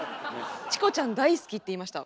「チコちゃん大好き」って言いました。